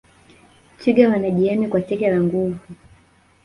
twiga wanajihami kwa teke la nguvu